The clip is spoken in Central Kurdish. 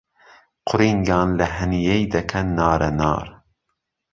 قورینگان له ههنیەی دهکهن نارهنار